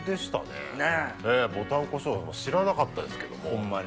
ぼたんこしょう知らなかったですけども。